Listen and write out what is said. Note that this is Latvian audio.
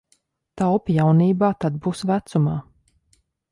Taupi jaunībā, tad būs vecumā.